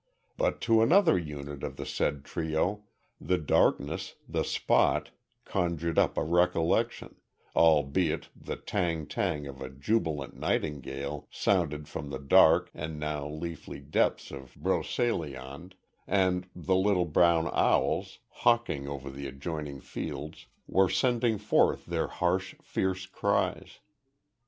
But to another unit of the said trio, the darkness, the spot, conjured up a recollection, albeit the "tang tang" of a jubilant nightingale sounded from the dark and now leafy depths of "Broceliande," and the little brown owls, hawking over the adjoining fields, were sending forth their harsh, fierce cries.